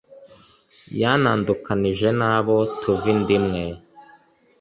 “yantandukanije n’abo tuva inda imwe,